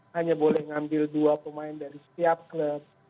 hanya boleh ngambil dua pemain dari setiap klub